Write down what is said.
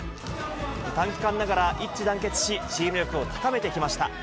短期間ながら一致団結し、チーム力を高めてきました。